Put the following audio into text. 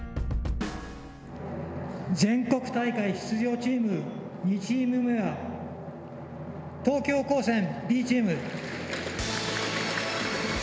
全国大会出場チーム２チーム目は東京高専Ｂチーム。